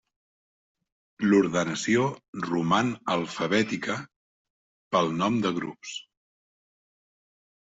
L'ordenació roman alfabètica pel nom de grups.